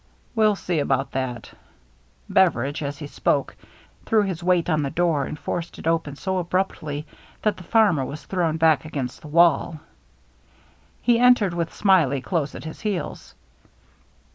"We'll see about thaL" Beveridge, as he spoke, threw his weight on the door and forced it open so abruptly that the farmer was thrown back against the wall. He entered with Smi ley close at his heels.